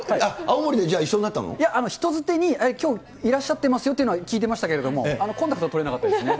人づてにきょういらっしゃってますよって聞いてましたけれども、コンタクトは取れなかったですね。